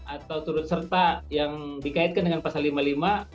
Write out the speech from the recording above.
atau turut serta yang dikaitkan dengan pasal lima puluh lima